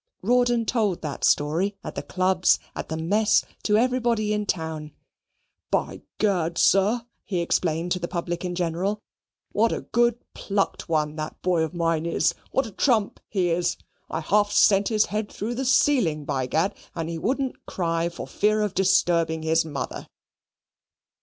Rawdon told that story at the clubs, at the mess, to everybody in town. "By Gad, sir," he explained to the public in general, "what a good plucked one that boy of mine is what a trump he is! I half sent his head through the ceiling, by Gad, and he wouldn't cry for fear of disturbing his mother."